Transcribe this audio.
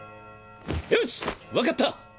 よし分かった！